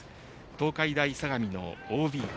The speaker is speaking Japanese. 東海大相模のＯＢ。